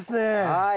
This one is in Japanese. はい！